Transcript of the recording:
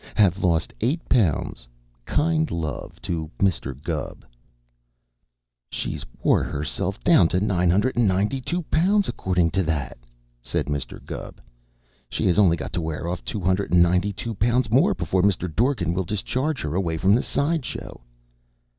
Have lost eight pounds. Kind love to Mr. Gubb. "She's wore herself down to nine hundred and ninety two pounds, according to that," said Mr. Gubb. "She has only got to wear off two hundred and ninety two pounds more before Mr. Dorgan will discharge her away from the side show."